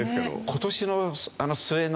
今年の末の。